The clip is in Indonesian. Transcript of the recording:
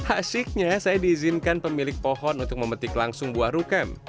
asyiknya saya diizinkan pemilik pohon untuk memetik langsung buah rukam